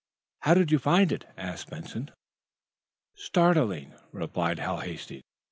"How do you find it?" asked Benson. "Startling," replied Hal Hastings.